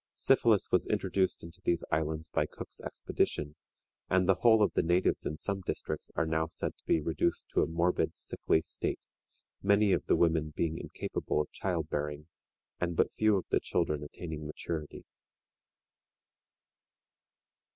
Syphilis was introduced into these islands by Cook's expedition, and the whole of the natives in some districts are now said to be reduced to a morbid, sickly state, many of the women being incapable of child bearing, and but few of the children attaining maturity.